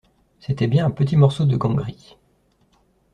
C'était bien un petit morceau de gant gris.